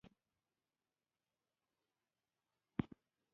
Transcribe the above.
طبیعي شتمنۍ مه بربادوه.